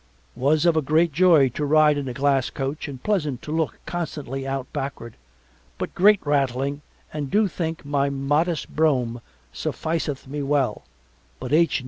Was of a great joy to ride in a glass coach and pleasant to look constantly out backward, but great rattling and do think my modest brougham sufficeth me well, but H.